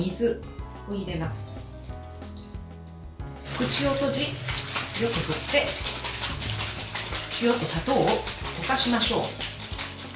口を閉じ、よく振って塩と砂糖を溶かしましょう。